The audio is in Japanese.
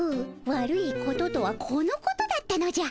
悪いこととはこのことだったのじゃ。